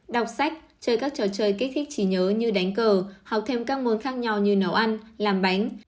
đọc sách chơi các trò chơi kích thích trí nhớ như đánh cờ học thêm các môn khác nhau như nấu ăn làm bánh